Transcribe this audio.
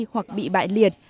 hoặc bị bại liệt